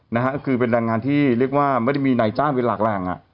นะฮะคือเป็นแรงงานที่เรียกว่าไม่ได้มีไหนจ้างเป็นหลักแรง